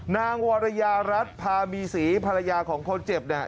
นางวรยารัฐพามีศรีภรรยาของคนเจ็บเนี่ย